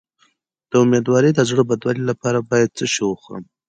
د امیدوارۍ د زړه بدوالي لپاره باید څه شی وخورم؟